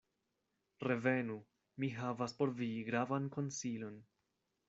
"Revenu! mi havas por vi gravan konsilon.